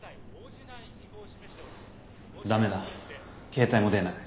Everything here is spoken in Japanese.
ダメだ携帯も出ない。